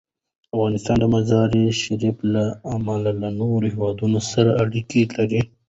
افغانستان د مزارشریف له امله له نورو هېوادونو سره اړیکې لري.